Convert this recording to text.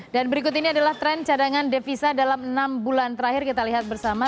dan berikut ini adalah tren cadangan devisa dalam enam bulan terakhir kita lihat bersama